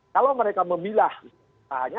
kalau mereka memilah tanya